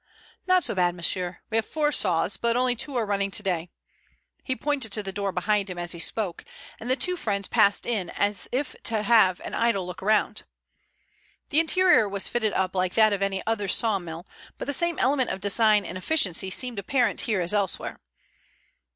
"Not so bad, monsieur. We have four saws, but only two are running today." He pointed to the door behind him as he spoke, and the two friends passed in as if to have an idle look round. The interior was fitted up like that of any other sawmill, but the same element of design and efficiency seemed apparent here as elsewhere.